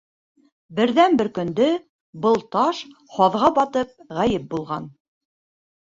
Берҙән-бер көндө, был таш, һаҙға батып, ғәйеп булған.